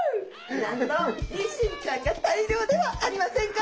なんとニシンちゃんが大漁ではありませんか。